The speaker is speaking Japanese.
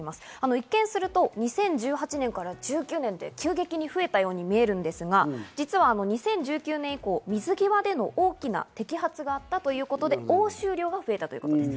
一見すると２０１８年から１９年で急激に増えたように見えるんですが、２０１９年以降、水際での大きな摘発があったということで、押収量が増えたということです。